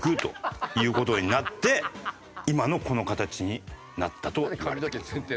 今のこの形になったといわれています。